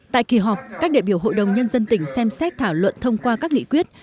tại kỳ họp các đệ biểu hội đồng nhân dân tỉnh xem xét thảo luận thông qua các nghị quyết